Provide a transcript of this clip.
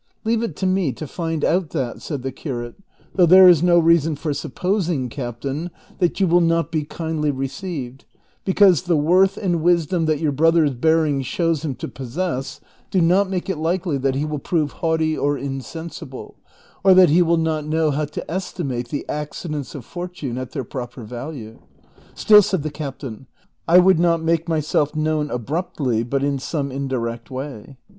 " Leave it to me to find out that," said the curate ;" though there is no reason for supposing, captain, that you will not be kindly received, because the worth and wisdom that your brother's bearing shows him to possess do not make it likely that he will prove haughty or insensible, or that he will not know how to estimate the accidents of fortune at their proper value. " "Still, " said the captain, " I would not make myself known abruptly, but in some indirect way.